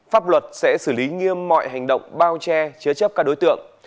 pháp luật sẽ xử lý nghiêm mọi hành động bao che chứa chấp các đối tượng